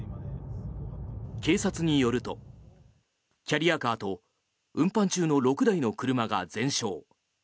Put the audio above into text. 警察によると、キャリアカーと運搬中の６台の車が全焼。